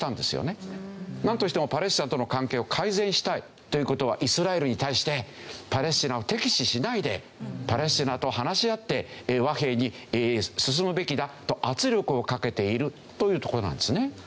なんとしてもパレスチナとの関係を改善したいという事はイスラエルに対してパレスチナを敵視しないでパレスチナと話し合って和平に進むべきだと圧力をかけているというところなんですね。